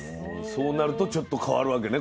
そうなるとちょっと変わるわけね